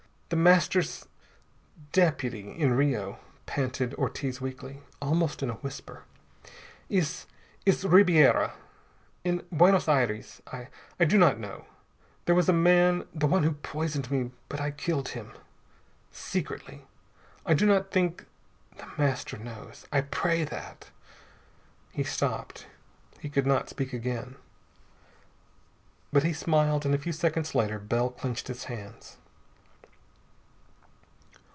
"The Master's deputy in Rio," panted Ortiz weakly, almost in a whisper, "is is Ribiera. In Buenos Aires I I do not know. There was a man the one who poisoned me but I killed him. Secretly. I do not think the Master knows. I pray that " He stopped. He could not speak again. But he smiled, and a few seconds later Bell clenched his hands.